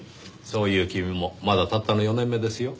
そういう君もまだたったの４年目ですよ。